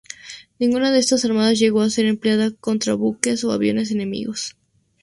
Ninguna de estas armas llegó a ser empleada contra buques o aviones enemigos.